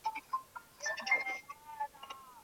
道光二年中壬午恩科进士。